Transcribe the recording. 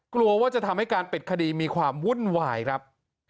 กลัวว่าจะทำให้การปิดคดีมีความวุ่นวายครับ